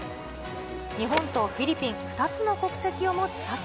日本とフィリピン、２つの国籍を持つ笹生。